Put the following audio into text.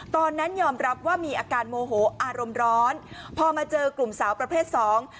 ตอนนั้นยอมรับว่ามีอาการโมโหอารมณ์ร้อนพอมาเจอกลุ่มสาวประเภทสอง